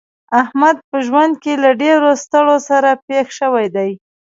احمد په ژوند کې له ډېرو ستړو سره پېښ شوی دی.